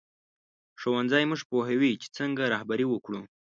ښوونځی موږ پوهوي چې څنګه رهبري وکړو